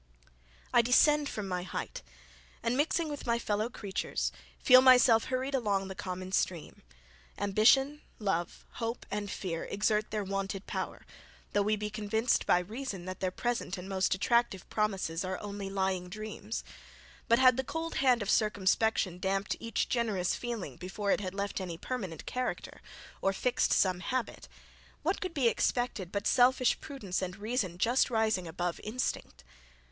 I descend from my height, and mixing with my fellow creatures, feel myself hurried along the common stream; ambition, love, hope, and fear, exert their wonted power, though we be convinced by reason that their present and most attractive promises are only lying dreams; but had the cold hand of circumspection damped each generous feeling before it had left any permanent character, or fixed some habit, what could be expected, but selfish prudence and reason just rising above instinct?